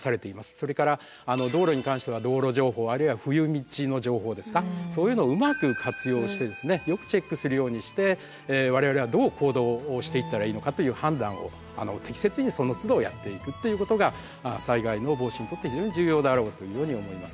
それから道路に関しては道路情報あるいは冬道の情報ですかそういうのをうまく活用してよくチェックするようにして我々はどう行動をしていったらいいのかという判断を適切にそのつどやっていくということが災害の防止にとって非常に重要であろうというように思います。